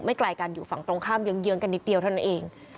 ไกลกันอยู่ฝั่งตรงข้ามเยื้องกันนิดเดียวเท่านั้นเอง